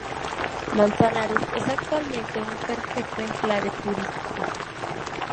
Manzanares es actualmente un perfecto enclave turístico.